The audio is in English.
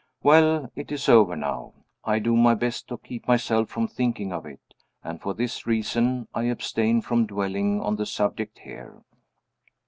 Well, it's over now. I do my best to keep myself from thinking of it and, for this reason, I abstain from dwelling on the subject here.